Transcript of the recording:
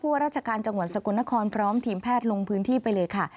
ว่าราชการจังหวัดสกลนครพร้อมทีมแพทย์ลงพื้นที่ไปเลยค่ะ